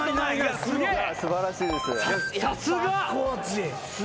素晴らしいです。